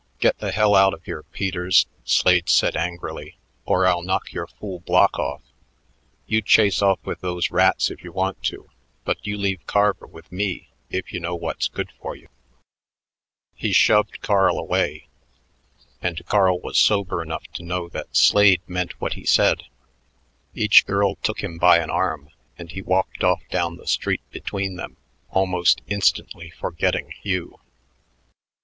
"Get the hell out of here, Peters," Slade said angrily, "or I'll knock your fool block off. You chase off with those rats if you want to, but you leave Carver with me if you know what's good for you." He shoved Carl away, and Carl was sober enough to know that Slade meant what he said. Each girl took him by an arm, and he walked off down the street between them, almost instantly forgetting Hugh.